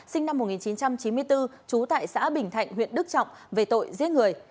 sinh năm một nghìn chín trăm chín mươi bốn trú tại xã bình thạnh huyện đức trọng về tội giết người